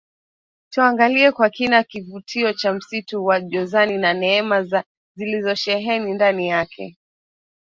Tuangalie kwa kina kivutio cha Msitu wa Jozani na neema za zilizosheheni ndani yake